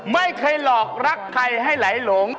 ไม่เคยหลอกรักใครให้ไหลหลง